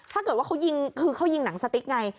ถ้าเกิดว่าเขายิงคือเขายิงหนังสติ๊กไง